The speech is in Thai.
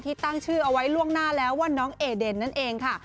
ตั้งชื่อเอาไว้ล่วงหน้าแล้วว่าน้องเอเดนนั่นเองค่ะ